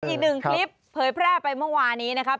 อีกหนึ่งคลิปเผยแพร่ไปเมื่อวานี้นะครับ